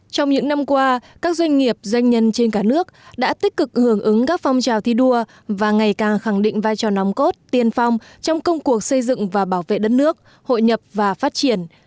trong những năm qua các doanh nghiệp doanh nhân trên cả nước đã tích cực hưởng ứng các phong trào thi đua và ngày càng khẳng định vai trò nóng cốt tiên phong trong công cuộc xây dựng và bảo vệ đất nước hội nhập và phát triển